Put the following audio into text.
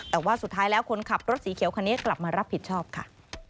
แต่ว่าสุดท้ายแล้วคนขับรถสีเขียวคันนี้กลับมารับผิดชอบค่ะ